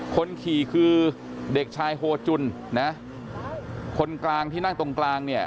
คนขี่คือเด็กชายโฮจุนนะคนกลางที่นั่งตรงกลางเนี่ย